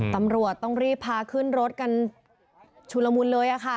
ตำรวจต้องรีบพาขึ้นรถกันชุลมุนเลยค่ะ